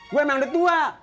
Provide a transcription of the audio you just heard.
gue emang udah tua